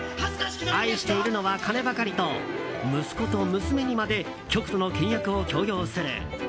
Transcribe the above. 愛しているのは金ばかりと息子と娘にまで極度の倹約を強要する。